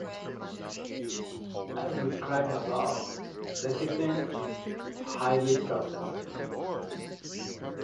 As described above, lecithin is highly processed.